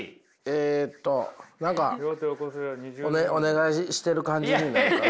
えっと何かお願いしてる感じになるから。